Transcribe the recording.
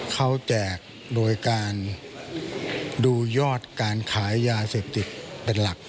เขาแจกโดยการดูยอดการขายยาเสพติดเป็นหลัก